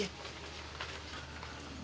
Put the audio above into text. buat keluarganya maman